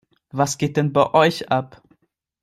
Was geht denn bei euch ab?